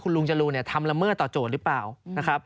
คุณลุงจรูทำละเมื่อต่อโจทย์หรือเปล่า